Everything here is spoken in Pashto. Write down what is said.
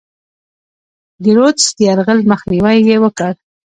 د رودز د یرغل مخنیوی یې وکړ.